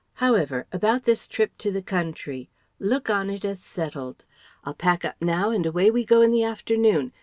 However about this trip to the country, look on it as settled. I'll pack up now and away we go in the afternoon.